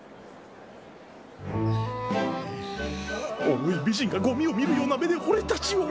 おい美人がゴミを見るような目で俺たちを。